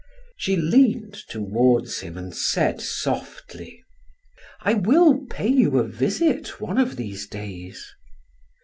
She leaned toward him and said softly: "I will pay you a visit one of these days."